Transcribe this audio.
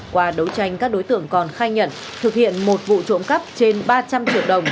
qua đấu tranh các đối tượng còn khai nhận thực hiện một vụ trộm cắp trên ba trăm linh triệu đồng